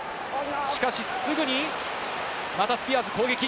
しかし、すぐにまたスピアーズ攻撃。